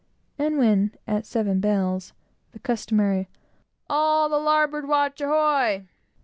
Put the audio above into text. And when, at seven bells, the customary "All the larboard watch, ahoy?"